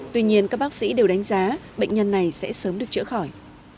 tuy nhiên các bác sĩ đều đánh giá bệnh nhân này sẽ sớm được chữa khỏi